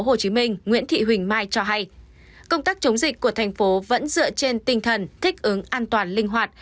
tp hcm nguyễn thị huỳnh mai cho hay công tác chống dịch của thành phố vẫn dựa trên tinh thần thích ứng an toàn linh hoạt